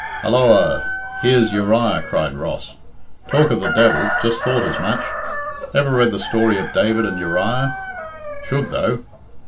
"Halloa! here's Uriah!" cried Ross. "Talk of the devil just thought as much. Ever read the story of David and Uriah? Should, though.